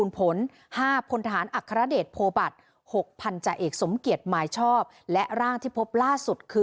๔พันธาเอกจักรพงษ์พูลผล